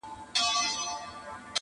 پر اوښتي تر نیوي وه زیات کلونه!.